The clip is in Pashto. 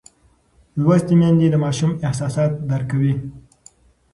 لوستې میندې د ماشوم احساسات درک کوي.